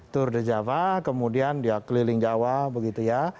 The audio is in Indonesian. tour de java kemudian dia keliling jawa begitu ya